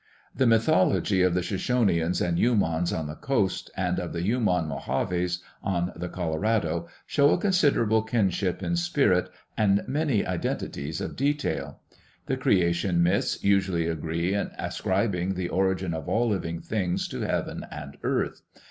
The mythology of the Shoshoneans and Yumans on the coast and of the Yuman Mohaves on the Colorado show a considerable kinship in spirit and many identities of detail. The creation myths usually agree in ascribing the origin of all living things to heaven and earth.